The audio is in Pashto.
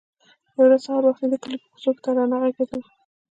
يوه ورځ سهار وختي د کلي په کوڅو کې ترانه غږېدله.